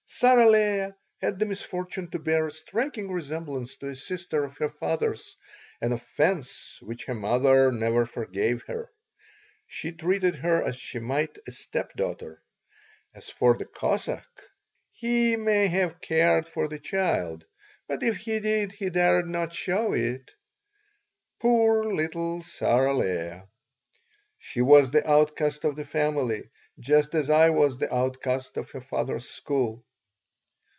Sarah Leah had the misfortune to bear a striking resemblance to a sister of her father's, an offense which her mother never forgave her. She treated her as she might a stepdaughter. As for the Cossack, he may have cared for the child, but if he did he dared not show it. Poor little Sarah Leah! She was the outcast of the family just as I was the outcast of her father's school.